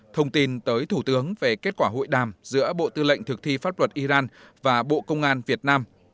thông tin tới thủ tướng về kết quả hội đàm giữa bộ tư lệnh thực thi pháp luật iran và bộ công an việt nam